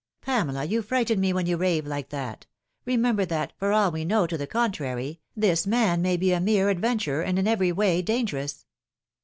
" Pamela, you frighten rae when you rave like that. Re member that, for all we know to the contrary, this man may be a mere adventurer, and in every way dangerous."